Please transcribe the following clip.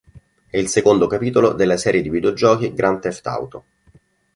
È il secondo capitolo della serie di videogiochi "Grand Theft Auto".